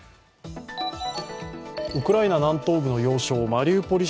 ウクライナ南東部の要衝マリウポリ